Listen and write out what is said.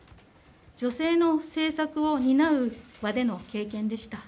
女性の政策を担う場での経験でした。